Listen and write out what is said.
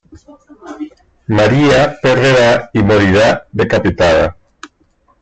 María perderá y morirá decapitada.